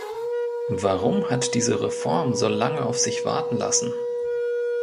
Warum hat diese Reform so lange auf sich warten lassen?